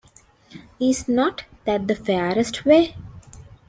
Is not that the fairest way?